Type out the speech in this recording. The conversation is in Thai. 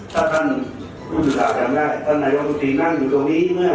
ถ้าท่านรู้สึกสารจำได้ท่านนายกรุงทีมนั่งอยู่ตรงนี้เมื่อ